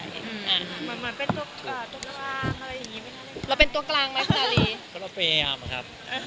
ก็เราพยายามครับ